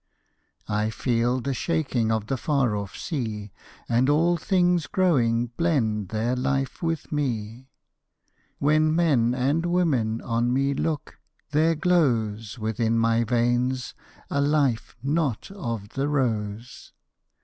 "I feel the shaking of the far off sea, And all things growing blend their life with me: "When men and women on me look, there glows Within my veins a life not of the rose.